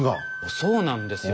そうなんですよ。